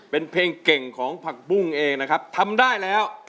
เป็นเพลงเก่งของผักบุ้งเองนะครับทำได้แล้ว